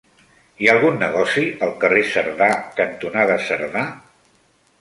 Hi ha algun negoci al carrer Cerdà cantonada Cerdà?